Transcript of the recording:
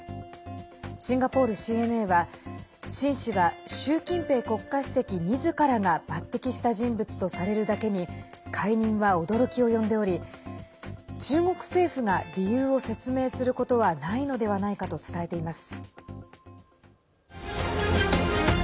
シンガポールＣＮＡは、秦氏は習近平国家主席みずからが抜てきした人物とされるだけに解任は驚きを呼んでおり中国政府が理由を説明することはないのではないかと伝えています。